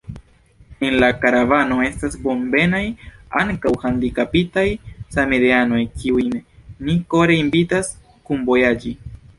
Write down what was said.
En la karavano estas bonvenaj ankaŭ handikapitaj samideanoj, kiujn ni kore invitas kunvojaĝi.